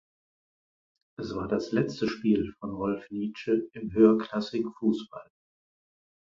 Es war das letzte Spiel von Rolf Nitzsche im höherklassigen Fußball.